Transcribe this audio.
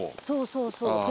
そうそうそう。